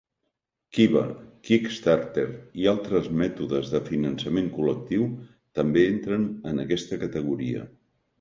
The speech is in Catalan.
Kiva, Kickstarter i altres mètodes de finançament col·lectiu també entren en aquesta categoria.